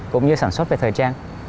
cũng như sản xuất về thời trang